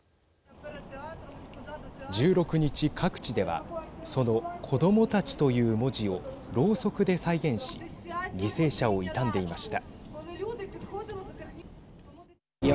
１６日、各地ではその子どもたちという文字をろうそくで再現し犠牲者を悼んでいました。